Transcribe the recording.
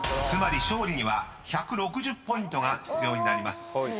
［つまり勝利には１６０ポイントが必要になります］